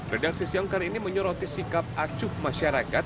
redaksi siongkar ini menyoroti sikap acuh masyarakat